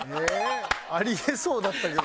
あり得そうだったけど。